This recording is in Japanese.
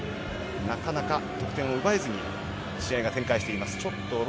なかなか得点を奪えずに試合が展開しています。